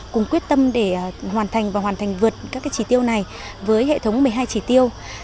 cùng quyết tâm để hoàn thành và hoàn thành vượt các chỉ tiêu này với hệ thống một mươi hai chỉ tiêu